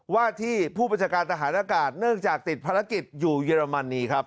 ว่าที่ผู้บัญชาการทหารอากาศเนื่องจากติดภารกิจอยู่เยอรมนีครับ